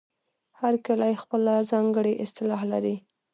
هر کلی خپله ځانګړې اصطلاح لري.